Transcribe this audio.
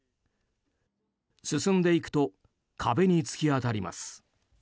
進んでいくと壁に突き当たります。